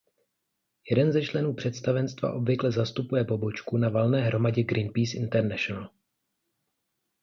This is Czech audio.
Jeden ze členů představenstva obvykle zastupuje pobočku na valné hromadě Greenpeace International.